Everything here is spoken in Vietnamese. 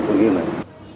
của game này